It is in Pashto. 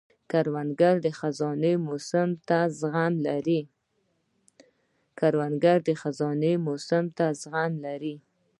کروندګر د خزان موسم ته زغم لري